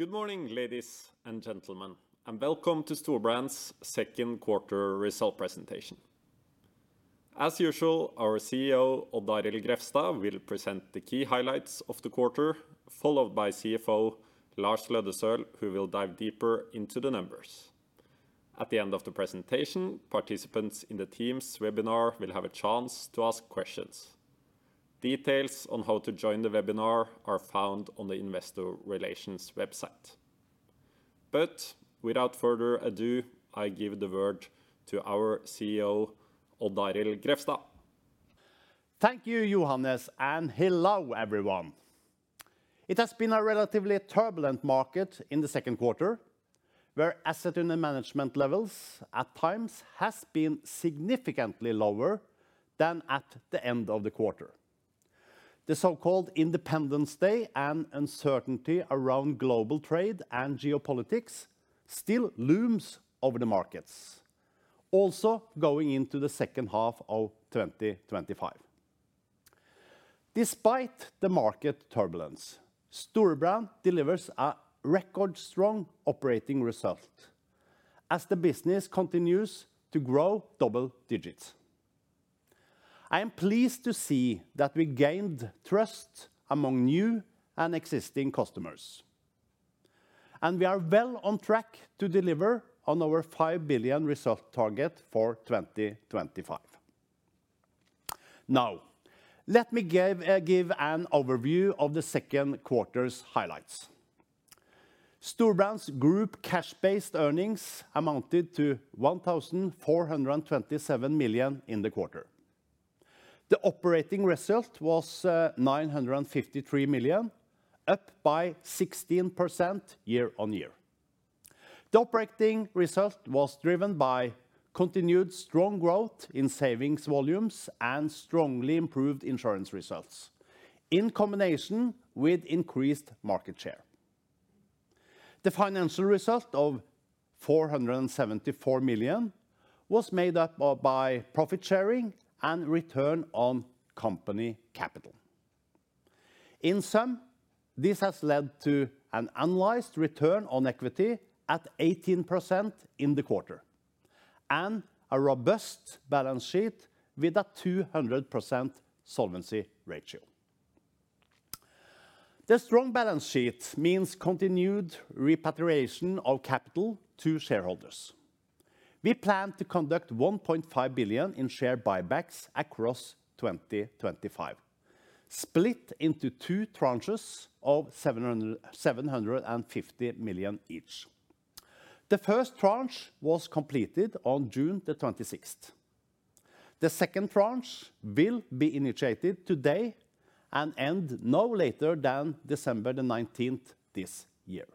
Good morning ladies and gentlemen and welcome to Storebrand's second quarter result presentation. As usual, our CEO Odd Arild Grefstad will present the key highlights of the quarter, followed by CFO Lars Løddesøl who will dive deeper into the numbers. At the end of the presentation, participants in the Teams webinar will have a chance to ask questions. Details on how to join the webinar are found on the investor relations website. Without further ado I give the word to our CEO Odd Arild Grefstad. Thank you Johannes and hello everyone. It has been a relatively turbulent market in the second quarter where Assets Under Management levels at times have been significantly lower than at the end of the quarter. The so-called Independence Day and uncertainty around global trade and geopolitics still looms over the markets, also going into the second half of 2025. Despite the market turbulence, Storebrand delivers a record strong operating result as the business continues to grow double digits. I am pleased to see that we gained trust among new and existing customers and we are well on track to deliver on our 5 billion result target for 2025. Now let me give an overview of the second quarter's highlights. Storebrand's group cash-based earnings amounted to 1.427 million in the quarter. The operating result was 953 million, up by 16% year-on-year. The operating result was driven by continued strong growth in savings volumes and strongly improved insurance results in combination with increased market share. The financial result of 474 million was made up by Profit Sharing and return on company capital. In sum, this has led to an annualized Return on Equity at 18% in the quarter and a robust balance sheet with a 200% solvency ratio. The strong balance sheet means continued repatriation of capital to shareholders. We plan to conduct 1.5 billion in share buybacks across 2025, split into two tranches of 750 million each. The first tranche was completed on June the 26th. The second tranche will be initiated today and end no later than December the 19th this year.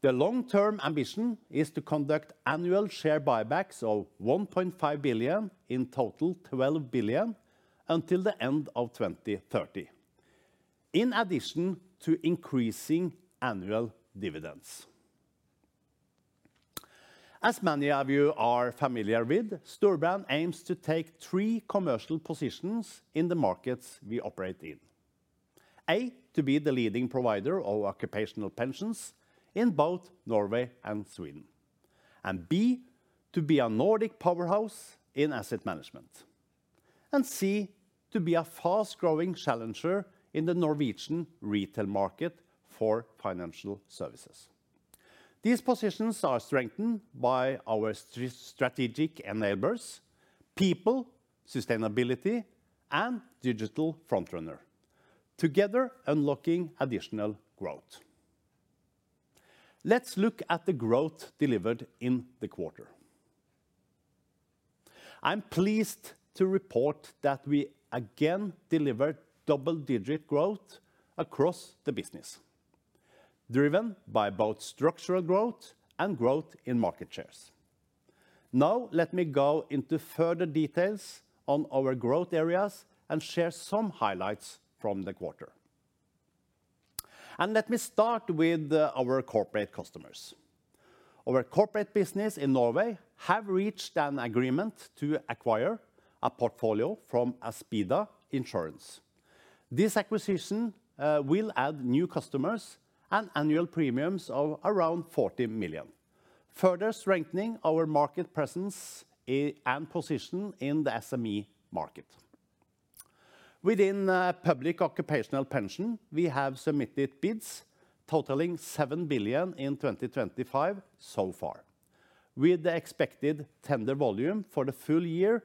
The long-term ambition is to conduct annual share buybacks of 1.5 billion in total 12 billion until the end of 2030 in addition to increasing annual dividends. As many of you are familiar with, Storebrand aims to take three commercial positions in the markets we operate in. A, to be the leading provider of occupational pensions in both Norway and Sweden. B, to be a Nordic powerhouse in asset management. C, to be a fast-growing challenger in the Norwegian retail market for financial services. These positions are strengthened by our strategic people, sustainability, and digital frontrunner together unlocking additional growth. Let's look at the growth delivered in the quarter. I'm pleased to report that we again delivered double-digit growth across the business driven by both structural growth and growth in market shares. Now let me go into further details on our growth areas and share some highlights from the quarter. Let me start with our corporate customers. Our corporate business in Norway has reached an agreement to acquire a portfolio from Aspida Insurance. This acquisition will add new customers and annual premiums of around 40 million, further strengthening our market presence and position in the SME market. Within public occupational pension, we have submitted bids totaling 7 billion in 2025 so far, with the expected tender volume for the full year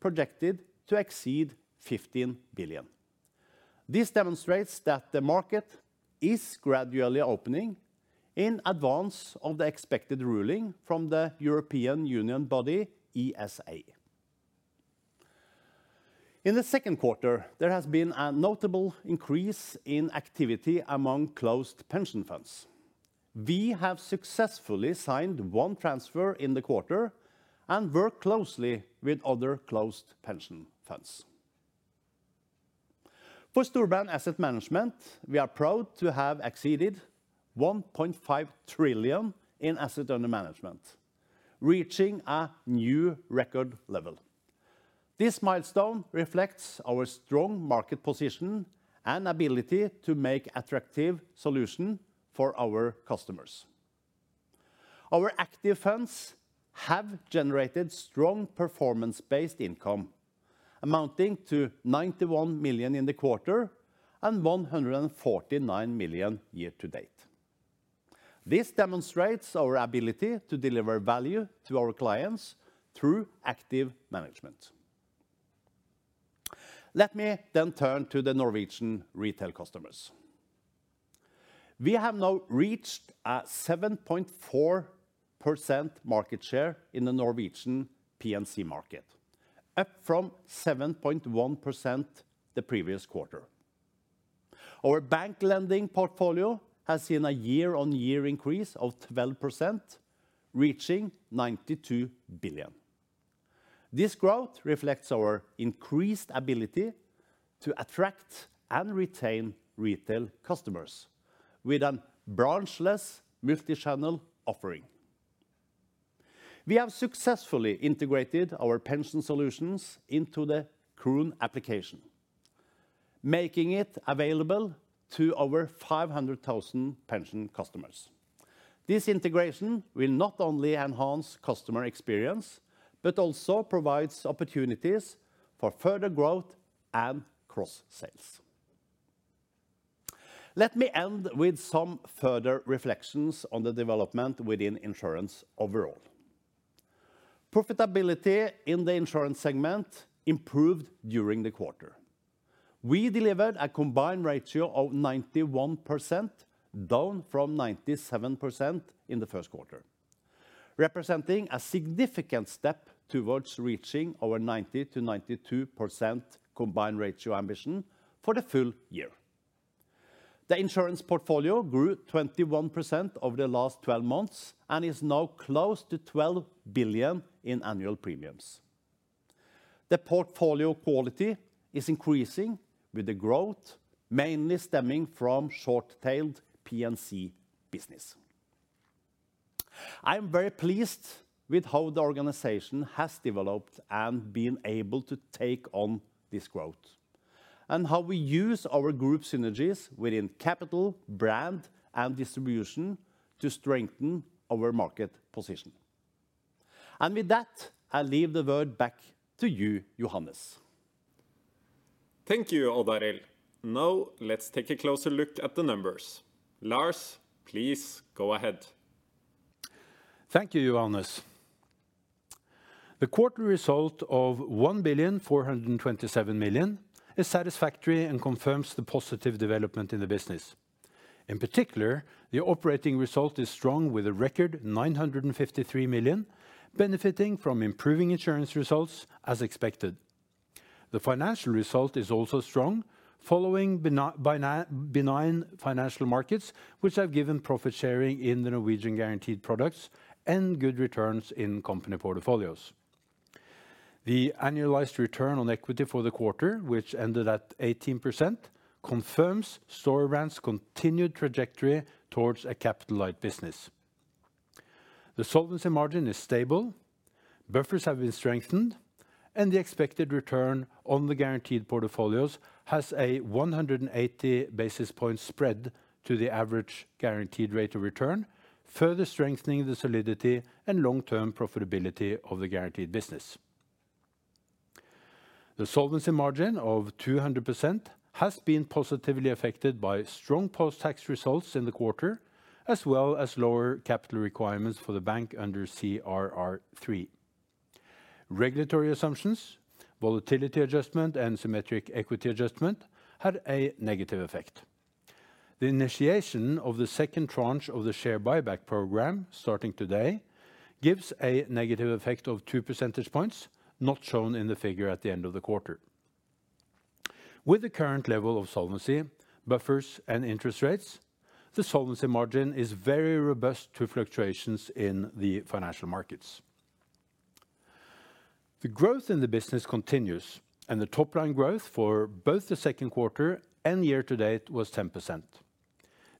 projected to exceed 15 billion. This demonstrates that the market is gradually opening in advance of the expected ruling from the European Union body ESA. In the second quarter, there has been a notable increase in activity among closed pension funds. We have successfully signed one transfer in the quarter and work closely with other closed pension funds. For Storebrand asset management, we are proud to have exceeded 1.5 trillion in Assets Under Management, reaching a new record level. This milestone reflects our strong market position and ability to make attractive solutions for our customers. Our active funds have generated strong performance-based income amounting to 91 million in the quarter and 149 million year to date. This demonstrates our ability to deliver value to our clients through active management. Let me then turn to the Norwegian retail customers. We have now reached a 7.4% market share in the Norwegian P&C market, up from 7.1% the previous quarter. Our bank lending portfolio has seen a year-on-year increase of 12%, reaching 92 billion. This growth reflects our increased ability to attract and retain retail customers with a branchless multichannel offering. We have successfully integrated our pension solutions into the Kron application, making it available to over 500,000 pension customers. This integration will not only enhance customer experience but also provides opportunities for further growth and cross sales. Let me end with some further reflections on the development within insurance. Overall profitability in the insurance segment improved during the quarter. We delivered a Combined Ratio of 91%, down from 97% in the first quarter, representing a significant step towards reaching our 90%-92% Combined Ratio ambition for the full year. The insurance portfolio grew 21% over the last 12 months and is now close to 12 billion in annual premiums. The portfolio quality is increasing with the growth mainly stemming from short-tailed P&C business. I am very pleased with how the organization has developed and been able to take on this growth and how we use our group synergies within capital, brand, and distribution to strengthen our market position. With that, I leave the word back to you, Johannes. Thank you, Odd Arild. Now let's take a closer look at the numbers. Lars, please go ahead. Thank you, Johannes. The quarterly result of 1.427 billion is satisfactory and confirms the positive development in the business. In particular, the operating result is strong with a record 953 million benefiting from improving insurance results as expected. The financial result is also strong following benign financial markets, which have given Profit Sharing in the Norwegian guaranteed products and good returns in company portfolios. The annualized Return on Equity for the quarter, which ended at 18%, confirms Storebrand's continued trajectory towards a capital light business. The Solvency Margin is stable, buffers have been strengthened, and the expected return on the guaranteed portfolios has a 180 basis point spread to the average guaranteed rate of return, further strengthening the solidity and long-term profitability of the guaranteed business. The Solvency Margin of 200% has been positively affected by strong post-tax results in the quarter as well as lower capital requirements for the bank under CRR3 regulatory assumptions. Volatility Adjustment and Symmetric Equity Adjustment had a negative effect. The initiation of the second tranche of the share buyback program starting today gives a negative effect of two percentage points not shown in the figure at the end of the quarter. With the current level of solvency buffers and interest rates, the Solvency Margin is very robust to fluctuations in the financial markets. The growth in the business continues, and the top line growth for both the second quarter and year to date was 10%.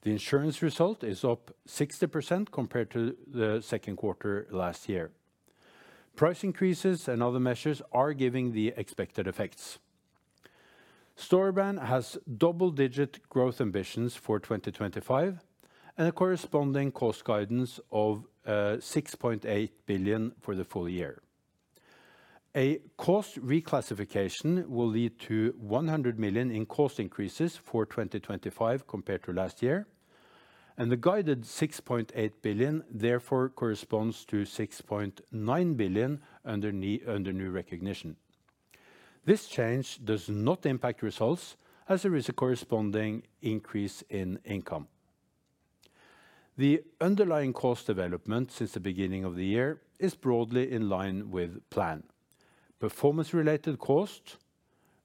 The insurance result is up 60% compared to the second quarter last year. Price increases and other measures are giving the expected effects. Storebrand has double-digit growth ambitions for 2025 and a corresponding cost guidance of 6.8 billion for the full year. A cost reclassification will lead to 100 million in cost increases for 2025 compared to last year. The guided 6.8 billion therefore corresponds to 6.9 billion under new recognition. This change does not impact results as there is a corresponding increase in income. The underlying cost development since the beginning of the year is broadly in line with plan performance-related cost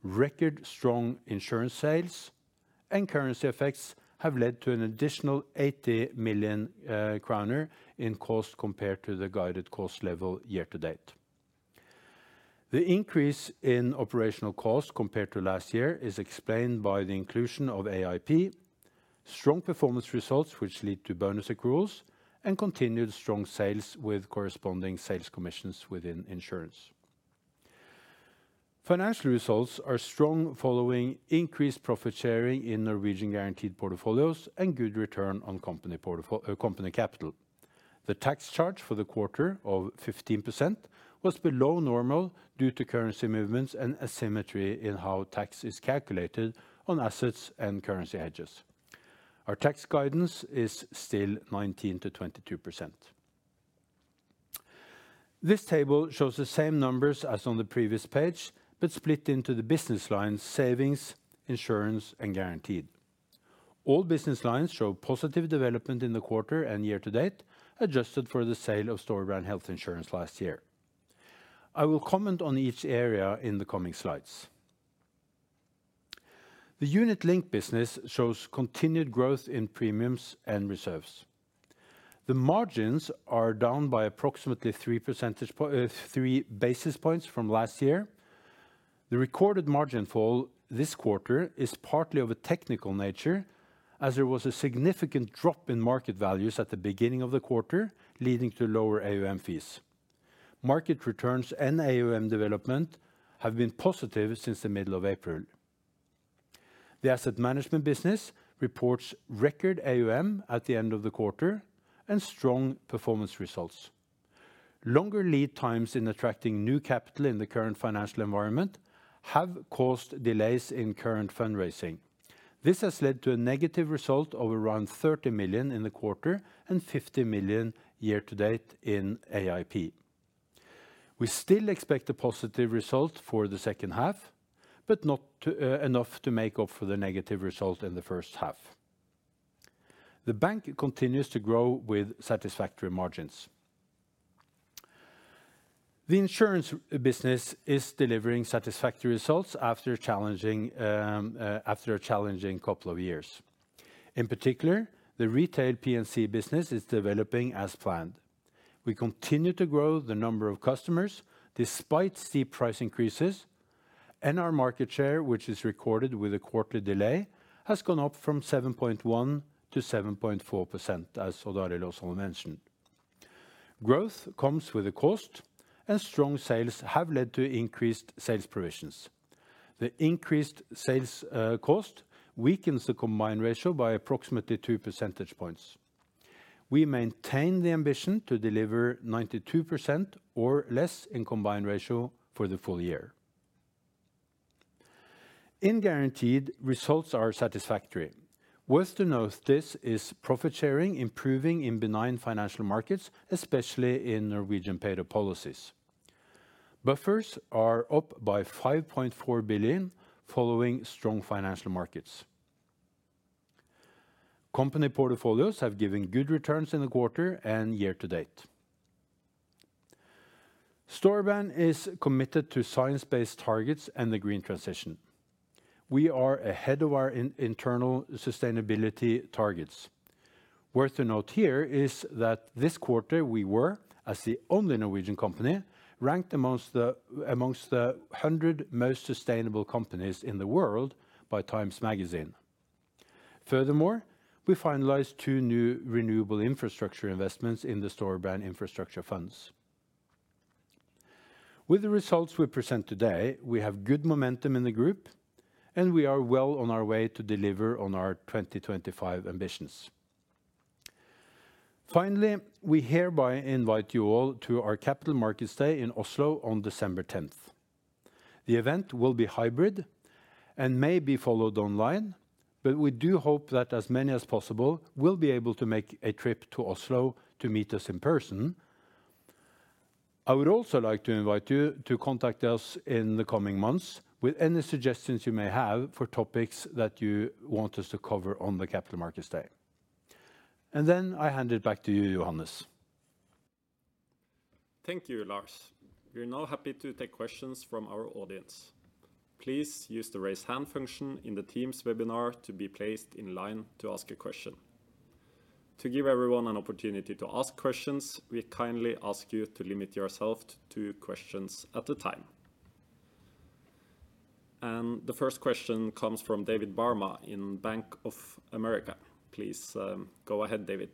record. Strong insurance sales and currency effects have led to an additional 80 million kroner in cost compared to the guided cost level year to date. The increase in operational cost compared to last year is explained by the inclusion of AIP strong performance results, which lead to bonus accruals and continued strong sales with corresponding sales commissions within insurance. Financial. Results are strong following increased Profit Sharing in Norwegian guaranteed portfolios and good return on company capital. The tax charge for the quarter of 15% was below normal due to currency movements and asymmetry in how tax is calculated on assets and currency hedges. Our tax guidance is still 19%–22%. This table shows the same numbers as on the previous page but split into the business lines, Savings, Insurance, and Guaranteed. All business lines show positive development in the quarter and year to date, adjusted for the sale of Storebrand health insurance last year. I will comment on each area in the coming slides. The Unit-Linked business shows continued growth in premiums and reserves. The margins are down by approximately three basis points from last year. The recorded margin fall this quarter is partly of a technical nature as there was a significant drop in market values at the beginning of the quarter, leading Assets Under Management fees. Market Assets Under Management development have been positive since the middle of April. The asset management business Assets Under Management at the end of the quarter and strong performance results. Longer lead times in attracting new capital in the current financial environment have caused delays in current fundraising. This has led to a negative result of around 30 million in the quarter and 50 million year to date in AIP. We still expect a positive result for the second half but not enough to make up for the negative result in the first half. The bank continues to grow with satisfactory margins. The insurance business is delivering satisfactory results after a challenging couple of years. In particular, the retail P&C business is developing as planned. We continue to grow the number of customers despite steep price increases. Our market share, which is recorded with a quarterly delay, has gone up from 7.1%-7.4%. As Odd Arild mentioned, growth comes with a cost and strong sales have led to increased sales provisions. The increased sales cost weakens the Combined Ratio by approximately two percentage points. We maintain the ambition to deliver 92% or less in Combined Ratio for the full year. In guaranteed, results are satisfactory. Worth to note this is Profit Sharing improving in benign financial markets, especially in Norwegian Paid-Up Policies. Buffers are up by 5.4 billion. Following strong financial markets, company portfolios have given good returns in the quarter and year to date. Storebrand is committed to science-based targets and the green transition. We are ahead of our internal sustainability targets. Worth to note here is that this quarter we were, as the only Norwegian company, ranked amongst the 100 most sustainable companies in the world by Time Magazine. Furthermore, we finalized two new renewable infrastructure investments in the Storebrand Infrastructure Funds. With the results we present today, we have good momentum in the group and we are well on our way to deliver on our 2025 ambitions. Finally, we hereby invite you all to our Capital Markets Day in Oslo on December 10th. The event will be hybrid and may be followed online, but we do hope that as many as possible will be able to make a trip to Oslo to meet us in person. I would also like to invite you to contact us in the coming months with any suggestions you may have for topics that you want us to cover on the Capital Markets Day and then I hand it back to you, Johannes. Thank you, Lars. We are now happy to take questions from our audience. Please use the raise hand function in the Teams webinar to be placed in line to ask a question. To give everyone an opportunity to ask questions, we kindly ask you to limit yourself to two questions at a time. The first question comes from David Barma in Bank of America. Please go ahead, David.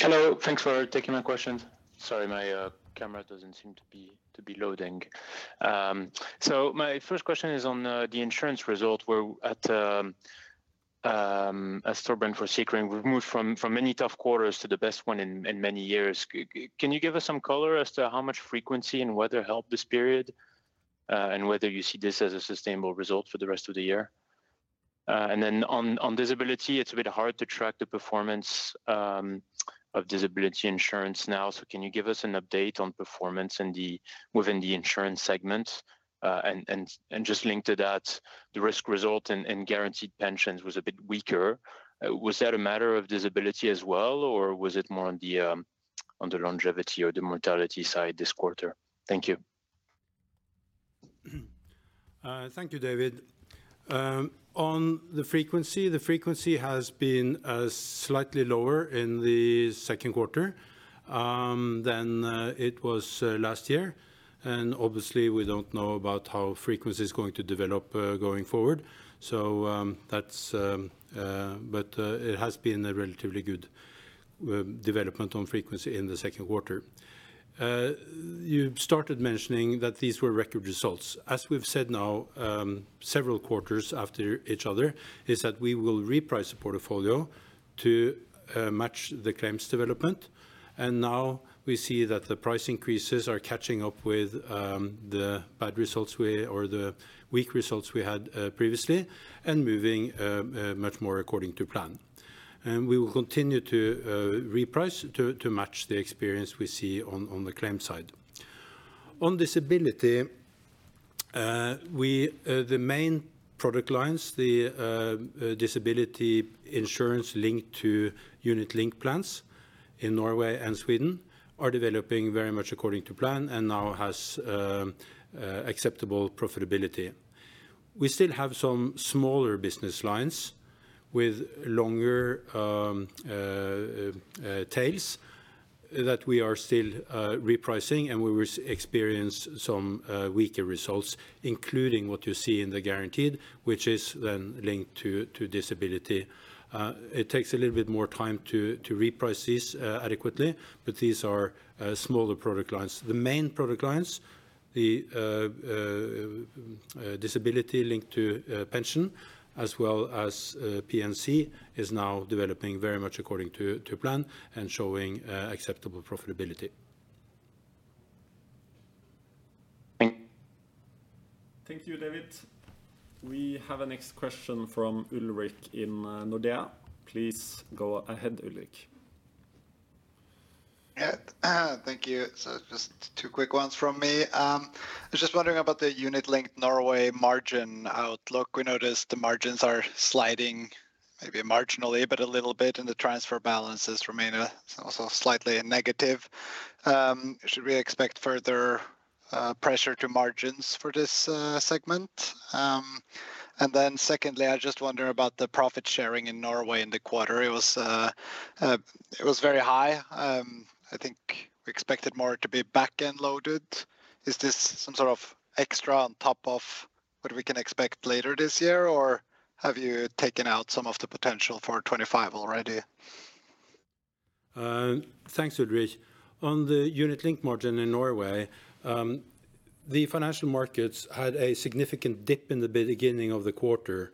Hello, thanks for taking my questions. Sorry my camera doesn't seem to be loading. My first question is on the insurance result at Storebrand for insurance. We've moved from many tough quarters to the best one in many years. Can you give us some color as to how much frequency and weather helped this period and whether you see this as a sustainable result for the rest of the year? On disability, it's a bit hard to track the performance of disability insurance now. Can you give us an update on performance within the insurance segment and just link to that? The risk result in guaranteed pensions was a bit weaker. Was that a matter of disability as well, or was it more on the longevity or the mortality side this quarter? Thank you. Thank you, David. On the frequency, the frequency has been slightly lower in the second quarter than it was last year, and obviously we don't know about how frequency is going to develop going forward, but it has been a relatively good development on frequency. In the second quarter, you started mentioning that these were record results. As we've said now several quarters after each other, we will reprice the portfolio to match the claims development. Now we see that the price increases are catching up with the bad results or the weak results we had previously and moving much more according to plan, and we will continue to reprice to match the experience we see on the claim side on disability. The main product lines, the disability insurance linked to Unit-Linked plans in Norway and Sweden, are developing very much according to plan and now has acceptable profitability. We still have some smaller business lines with longer tails that we are still repricing, and we experience some weaker results, including what you see in the guaranteed, which is then linked to disability. It takes a little bit more time to reprice these adequately, but these are smaller product lines. The main product lines, the disability linked to pension as well as P&C, is now developing very much according to plan and showing acceptable profitability. Thank you, David. We have a next question from Ulrik in Nordea. Please go ahead, Ulrik. Thank you. Just two quick ones from me. I was just wondering about the Unit-Linked Norway margin outlook. We noticed the margins are sliding maybe marginally, but a little bit, and the transfer balances remain also slightly negative. Should we expect further pressure to margins for this segment? Secondly, I just wonder about the Profit Sharing in Norway in the quarter. It was very high. I think we expected more to be back-end loaded. Is this some sort of extra on top of what we can expect later this year, or have you taken out some of the potential for 2025 already? Thanks, Ulrik. On the Unit-Linked margin in Norway, the financial markets had a significant dip in the beginning of the quarter,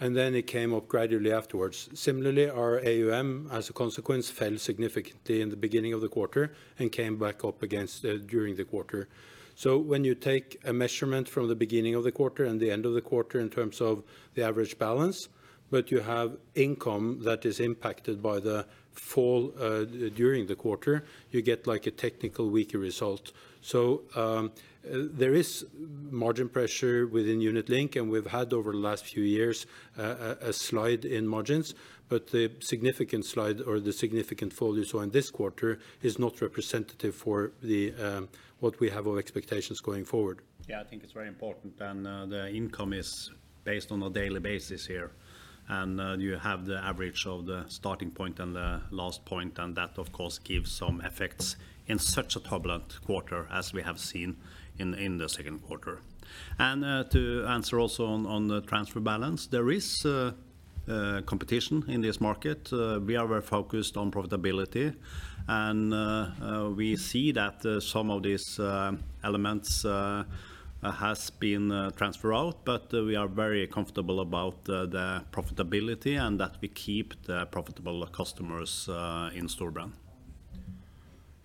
and then it came up gradually afterwards. Assets Under Management as a consequence fell significantly in the beginning of the quarter and came back up again during the quarter. When you take a measurement from the beginning of the quarter and the end of the quarter in terms of the average balance, but you have income that is impacted by the fall during the quarter, you get a technical weaker result. There is margin pressure within Unit-Linked, and we've had over the last few years a slide in margins. The significant slide or the significant fall you saw in this quarter is not representative for what we have of expectations going forward. I think it's very important. The income is based on a daily basis here and you have the average of the starting point and the last point. That of course gives some effects in such a turbulent quarter as we have seen in the second quarter. To answer also on the transfer balance, there is competition in this market. We are very focused on profitability and we see that some of these elements have been transferred out. We are very comfortable about the profitability and that we keep the profitable customers in Storebrand.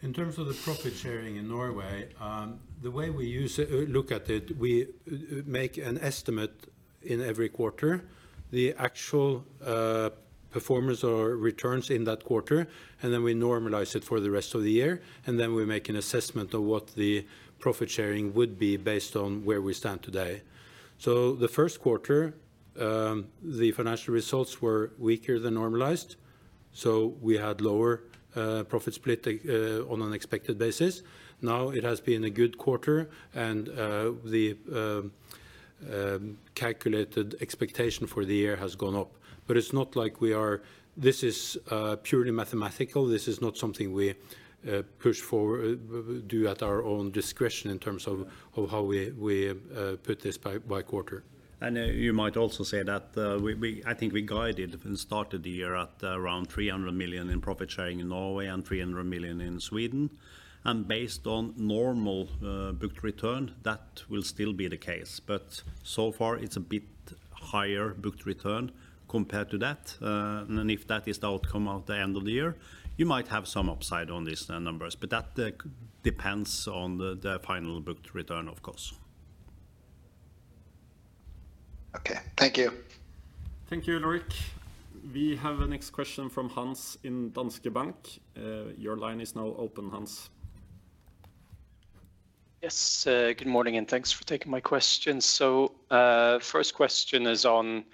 In terms of. The Profit Sharing in Norway, the way we use it, look at it, we make an estimate in every quarter, the actual performance or returns in that quarter, and then we normalize it for the rest of the year. We make an assessment of what the Profit Sharing would be based on where we stand today. The first quarter the financial results were weaker than normalized, so we had lower profit split on an expected basis. Now it has been a good quarter, and the calculated expectation for the year has gone up. It's not like we are, this is purely mathematical. This is not something we push forward or do at our own discretion in terms of how we put this by quarter. I think we guided and started the year at around 300 million in Profit Sharing in Norway and 300 million in Sweden. Based on normal booked return, that will still be the case, but so far it's a bit higher booked return compared to that. If that is the outcome at the end of the year, you might have some upside on these numbers. That depends on the final booked return, of course. Okay, thank you. Thank you, Ulrik. We have a next question from Hans in Danske Bank. Your line is now open. Hans. Yes, good morning and thanks for taking my question. First question is on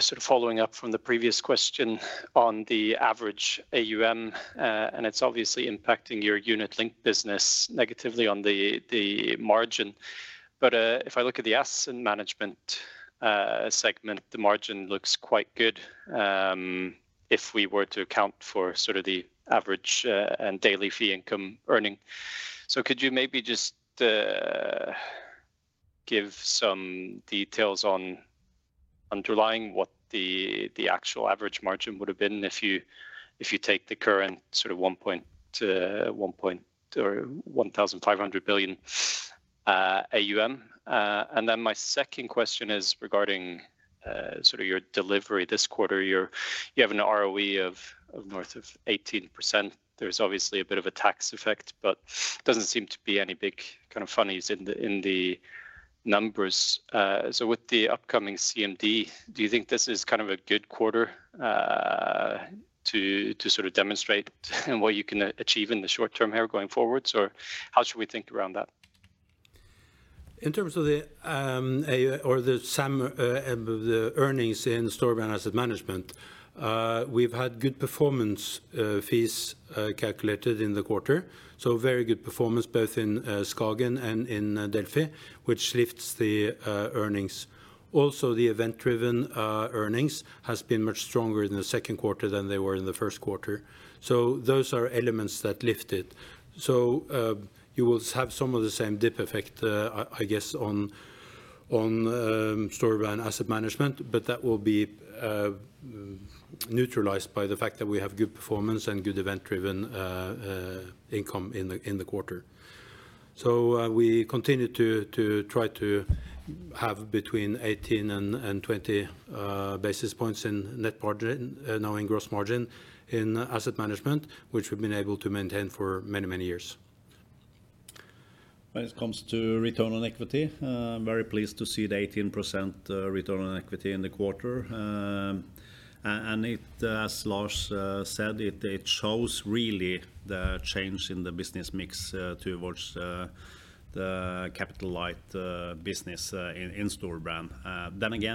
sort of following up from the previous question on the average AUM and it's obviously impacting your Unit-Linked business negatively on the margin. If I look at the asset management segment, the margin looks quite good if we were to account for sort of the average and daily fee income earning. Could you maybe just give some details on underlying what the actual average margin would have been if you take the current sort of 1.5 trillion AUM? My second question is regarding your delivery this quarter. You have an ROE of north of 18%. There's obviously a bit of a tax effect, but doesn't seem to be any big kind of funnies in the numbers. With the upcoming CMD, do you think this is kind of a good quarter to demonstrate what you can achieve in the short term here going forwards or how should we think. Around that. in terms of the earnings in Storebrand asset management? We've had good performance fees calculated in the quarter, so very good performance both in Skagen and in Delphi, which lifts the earnings. Also, the event driven earnings have been much stronger in the second quarter than they were in the first quarter. Those are elements that lifted. You will have some of the same dip effect I guess on Storebrand asset management, but that will be neutralized by the fact that we have good performance and good event driven income in the quarter. We continue to try to have between 18 and 20 basis points in net margin, now in gross margin in asset management, which we've been able to maintain for many, many years. When it comes to Return on Equity, I'm very pleased to see the 18% Return on Equity in the quarter. As Lars said, it shows really the change in the business mix towards the capital light business in Storebrand.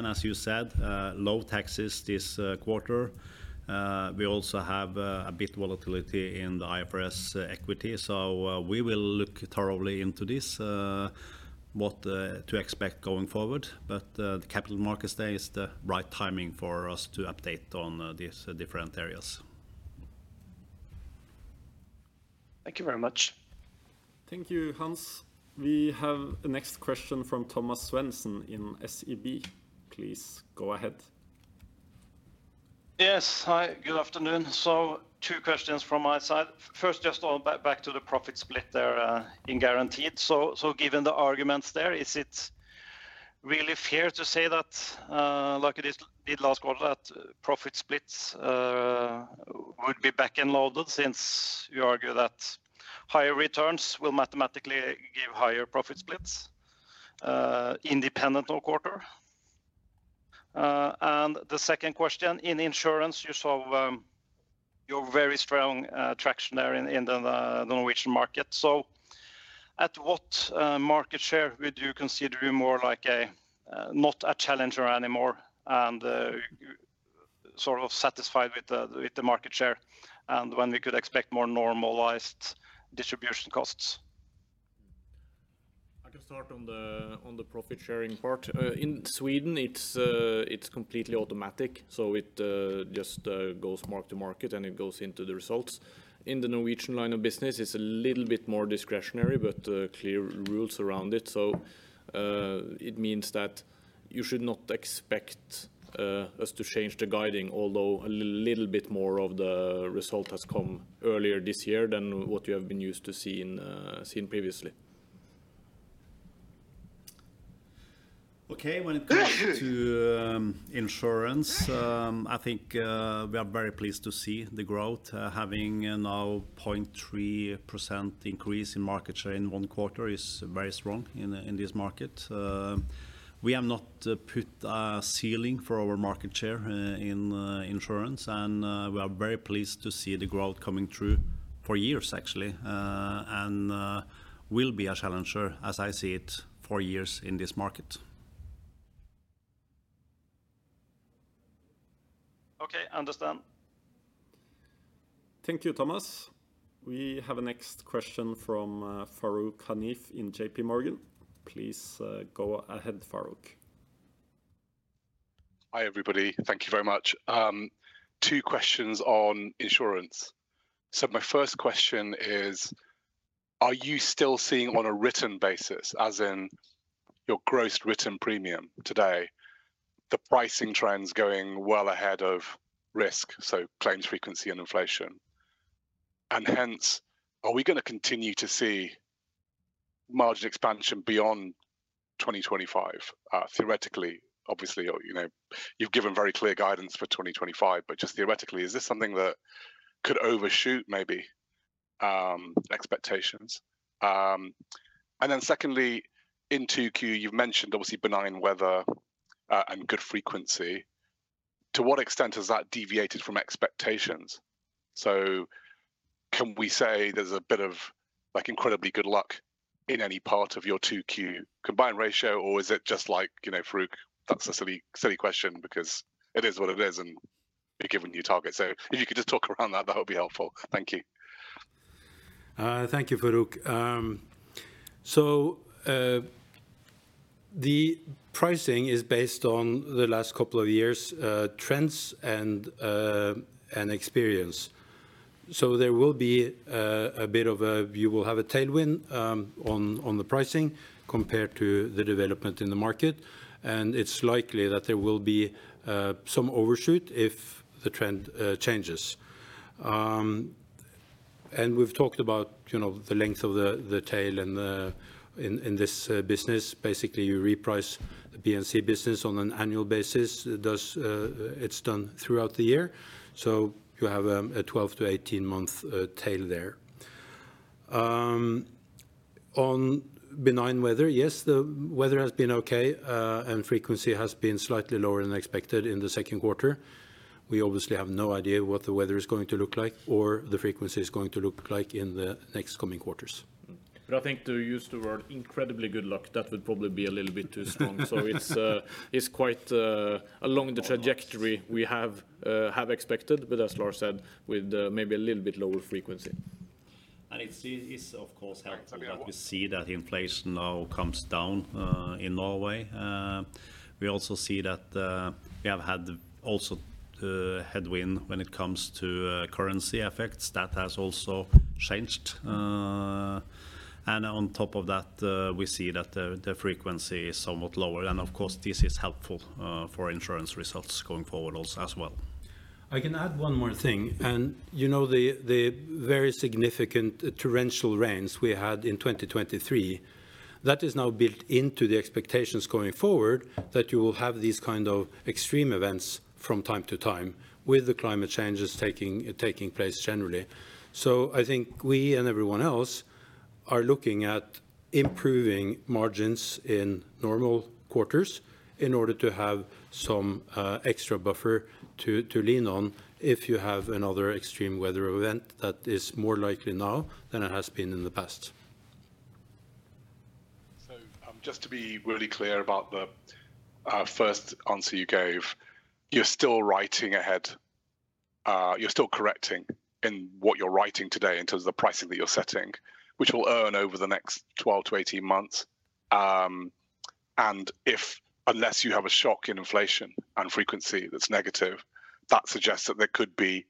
As you said, low taxes this quarter. We also have a bit of volatility in the IFRS equity. We will look thoroughly into this, what to expect going forward. The Capital Markets Day is the right timing for us to update on these different areas. Thank you very much. Thank you, Hans. We have the next question from Thomas Svendsen in SEB. Please go ahead. Yes, hi, good afternoon. Two questions from my side. First, just back to the profit split there in guaranteed. Given the arguments there, is it really fair to say that like it. Is last quarter, that profit splits would. Be back-end loaded since you argue. That higher returns will mathematically give higher profit splits independent of quarter. The second question in insurance, you. saw your very strong traction there in the Norwegian market. At what market share would you? Consider more like not a challenger anymore and sort of satisfied with the. Market share and when we could expect more normalized distribution costs. I can start on the Profit Sharing part. In Sweden, it's completely automatic, so it just goes mark to market and it goes into the results. In the Norwegian line of business, it's a little bit more discretionary, but clear rules around it. It means that you should not expect us to change the guiding, although a little bit more of the result has come earlier this year than what you have been used to seeing previously. Okay. When it comes to insurance, I think we are very pleased to see the growth. Having now a 0.3% increase in market share in one quarter is very strong in this market. We have not put a ceiling for our market share in insurance, and we are very pleased to see the growth coming through for years actually and will be a challenger, as I see it, for years in this market. Okay, understand. Thank you, Thomas. We have a next question from Farooq Hanif in J.P. Morgan. Please go ahead, Farooq. Hi everybody. Thank you very much. Two questions on insurance. My first question is, are you still seeing on a written basis, as in your gross written premium today, the pricing trends going well ahead of risk, so claims frequency and inflation, and hence are we going to continue to see margin expansion beyond 2025? Theoretically, obviously you've given very clear guidance for 2025, but just theoretically, is this something that could overshoot maybe expectations. Secondly, in 2Q you've mentioned obviously benign weather and good frequency. To what extent has that deviated from expectations? Can we say there's a bit of incredibly good luck in any part of your 2Q Combined Ratio or is it just like Farooq? That's a silly question because it is what it is and you're giving your target. If you could just talk around that, that would be helpful. Thank you. Thank you, Farooq. So. The pricing is based on the last couple of years trends and experience. There will be a bit of a tailwind on the pricing compared to the development in the market, and it's likely that there will be some overshoot if the trend changes. We've talked about the length of the tail in this business. Basically, you reprice the P&C business on an annual basis as it's done throughout the year. You have a 12-18 month tail there on benign weather. Yes, the weather has been okay and frequency has been slightly lower than expected in the second quarter. We obviously have no idea what the weather is going to look like or the frequency is going to look like in the next coming quarters. I think to use the word incredibly good luck, that would probably be a little bit too strong. It is quite along the trajectory we have expected, as Lars said, with maybe a little bit lower frequency. It of course helps see that inflation now comes down in Norway. We also see that we have had headwind when it comes to currency effects. That has also changed. On top of that, we see that the frequency is somewhat lower. Of course, this is helpful for insurance results going forward as well. I can add one more thing. You know the very significant torrential rains we had in 2023, that is now built into the expectations going forward that you will have these kind of extreme events from time to time with the climate changes taking place generally. I think we and everyone else are looking at improving margins in normal quarters in order to have some extra buffer to lean on if you have another extreme weather event that is more likely now than it has been in the past. Just to be really clear about the first answer you gave, you're still writing ahead, you're still correcting in what you're writing today in terms of the pricing that you're setting which will earn over the next 12-18 months. Unless you have a shock in inflation and frequency that's negative, that suggests that there could be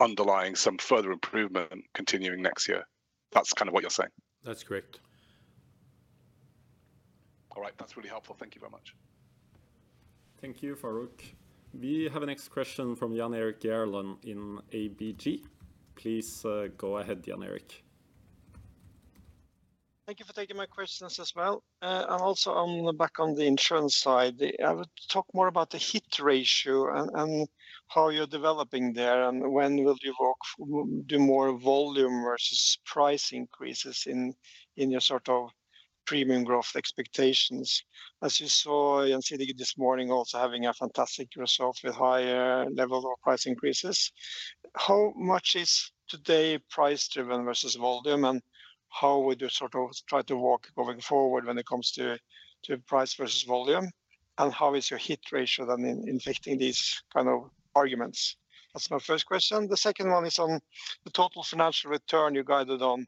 underlying some further improvement continuing next year. That's what you're saying? That's correct. All right, that's really helpful. Thank you very much. Thank you, Farooq. We have a next question from Jan Erik Gjerland in ABG. Please go ahead, Jan Erik. Thank you for taking my questions as well. I'm also back on the insurance side. I would talk more about the hit ratio and how you're developing there and when will you do more volume versus price increases in your sort of premium growth expectations as you saw this morning, also having a fantastic result with higher level of price increases. How much is today price driven versus volume? How would you sort of try to walk going forward when it comes to price versus volume? How is your hit ratio then inflicting these kind of arguments? That's my first question. The second one is on the total financial return you guided on,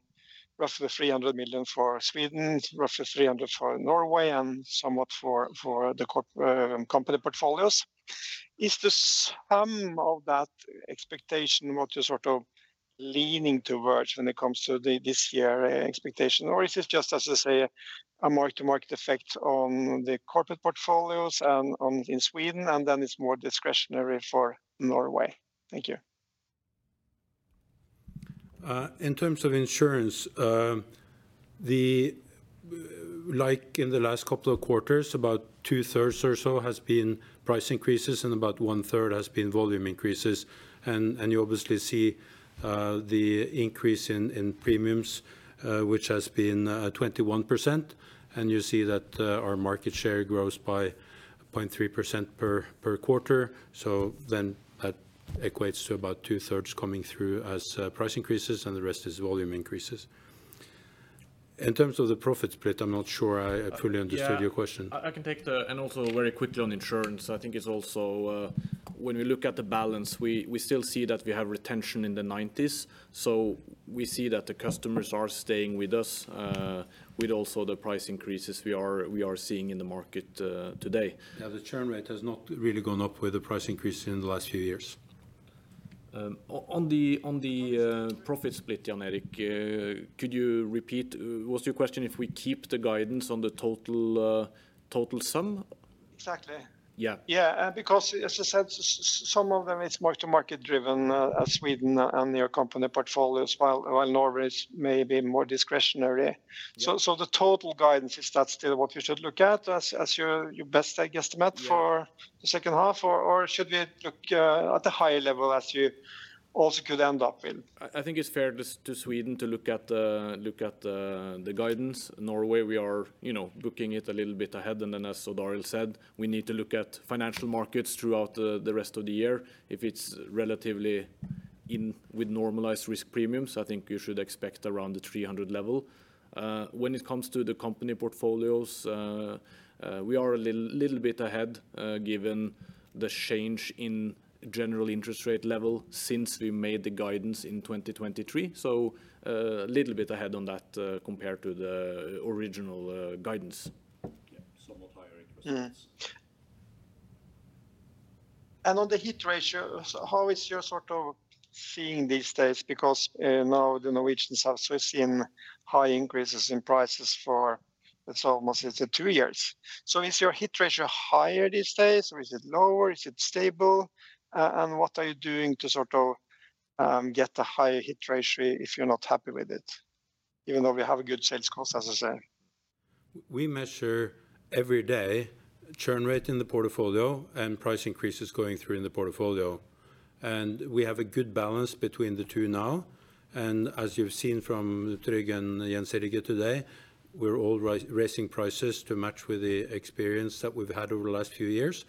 roughly 300 million for Sweden, roughly 300 million for Norway, and somewhat for the company portfolios. Is the sum of that expectation what you're sort of leaning towards when it comes to this year expectation, or is this just as I say, a mark to market effect on the corporate portfolios and in Sweden, and then it's more discretionary for Norway. Thank you. In terms of insurance, like in the last couple of quarters, about 2/3 or so has been price increases and about 1/3 has been volume increases. You obviously see the increase in premiums, which has been 21%, and you see that our market share grows by 0.3% per quarter. That equates to about 2/3 coming through as price increases and the rest is volume increases in terms of the profit split. I'm not sure I fully understood your question. I can take that. Also, very quickly on insurance, I think it's also when we look at the balance, we still see that we have retention in the 90s, so we see that the customers are staying with us with also the pricing increases we are seeing in the market today. The churn rate has not really gone up with the price increase in the last few years. On the profit split. Jan Erik, could you repeat? What's your question? If we keep the guidance on the total sum? Exactly. Yeah, Yeah. Because as I said, some of them, it's mark-to-market driven as Sweden and their company portfolios, while Norway may be more discretionary. The total guidance, is that still what you should look at your best, I guess, to math for the second half, or should we look at the higher level as you also could end up in. I think it's fair to Sweden to look at the guidance. Norway, we are booking it a little bit ahead, and then as Odd Arild said, we need to look at financial markets throughout the rest of the year. If it's relatively in with normalized risk premiums, I think you should expect around the 300 level. When it comes to the company portfolios, we are a little bit ahead given the change in general interest rate level since we made the guidance in 2023. A little bit ahead on that compared to the original guidance. Somewhat higher interest rates. On the hit ratio, how is your sort of seeing these days? Because now the Norwegians have seen high increases in prices for almost two years. Is your hit ratio higher these days or is it lower, is it stable, and what are you doing to sort of get a higher hit ratio if you're not happy with it, even though we have a good sales? Cost, as I say. we measure every day churn rate in the portfolio and price increases going through in the portfolio, and we have a good balance between the two now. As you've seen from Tryg and Gjensidige today, we're all raising prices to match with the experience that we've had over the last few years.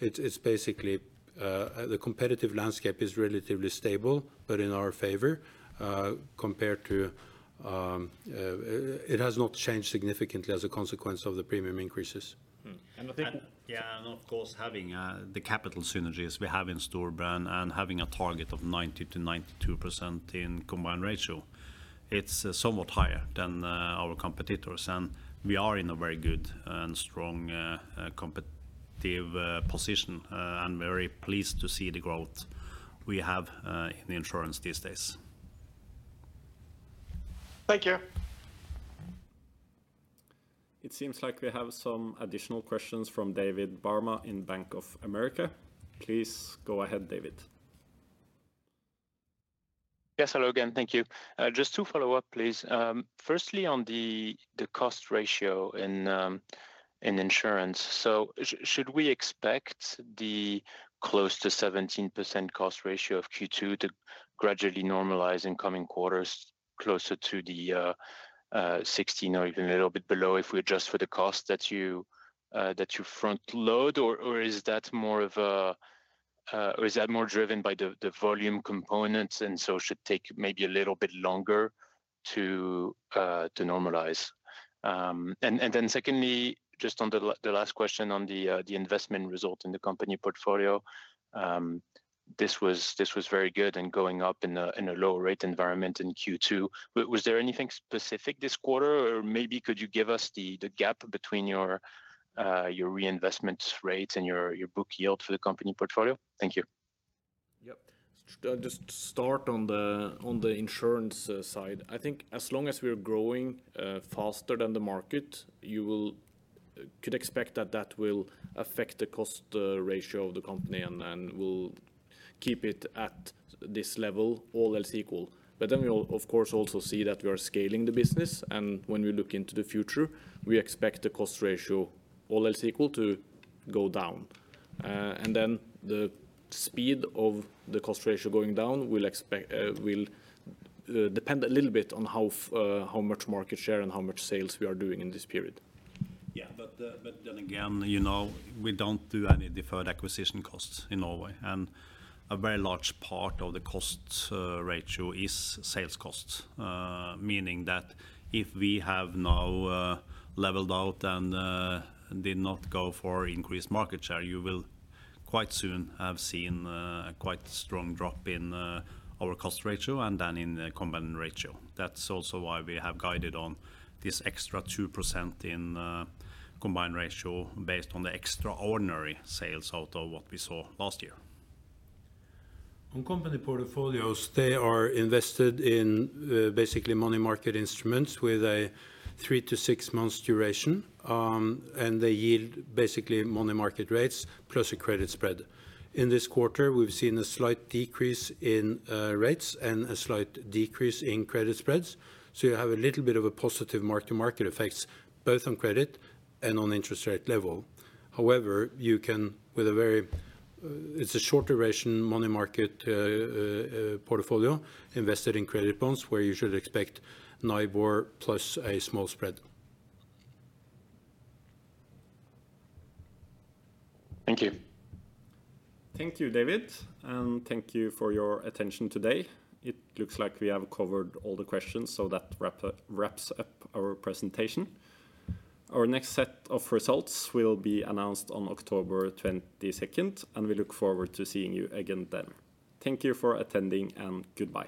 It's basically the competitive landscape is relatively stable, but in our favor compared to it has not changed significantly as a consequence of the premium increases. Of course, having the capital synergies we have in Storebrand and having a target of 90%-92% in Combined Ratio, it's somewhat higher than our competitors, and we are in a very good and strong competitive position and very pleased to see the growth we have in insurance these days. Thank you. It seems like we have some additional questions from David Barma in Bank of America. Please go ahead, David. Yes, hello again. Thank you. Just to follow up please firstly on the cost ratio in insurance. Should we expect the close to 17% cost ratio of Q2 to gradually normalize in coming quarters closer to the 16% or even a little bit below if we adjust for the cost that you front load, or is that more driven by the volume components and so should take maybe a little bit longer to normalize? Secondly, just on the last question on the investment result in the company portfolio, this was very good and going up in a low rate environment in Q2. Was there anything specific this quarter, or maybe could you give us the gap between your reinvestment rates and your book yield for the company portfolio? Thank you. Yep. Just start on the insurance side, I think as long as we are growing faster than the market, you could expect that will affect the cost ratio of the company and will keep it at this level, all else equal. Of course, we will also see that we are scaling the business, and when we look into the future, we expect the cost ratio, all else equal, to go down. The speed of the cost ratio going down will depend a little bit on how much market share and how much sales we are doing in this period. Yeah, but then again, you know we don't do any deferred acquisition costs in Norway, and a very large part of the cost ratio is sales costs. Meaning that if we have now levelled out and did not go for increased market share, you will quite soon have seen a quite strong drop in our cost ratio and then in Combined Ratio. That's also why we have guided on this extra 2% in Combined Ratio, based on the extraordinary sales out of. What we saw last year. On company portfolios. They are invested in basically money market instruments with a three to six months duration, and they yield basically money market rates plus a credit spread. In this quarter, we've seen a slight decrease in rates and a slight decrease in credit spreads. You have a little bit of a positive mark to market effects both on credit and on interest rate level. However, it's a short duration money market portfolio invested in credit bonds where you should expect NIBOR plus a small spread. Thank you. Thank you David and thank you for your attention. Today it looks like we have covered all the questions, so that wraps up our presentation. Our next set of results will be announced on October 22nd and we look forward to seeing you again then. Thank you for attending and goodbye.